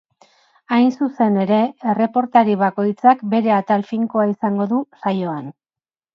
Hain zuzen ere, erreportari bakoitzak bere atal finkoa izango du saioan.